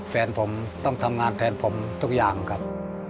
แฟนผมต้องทำงานแทนผมทุกอย่างครับ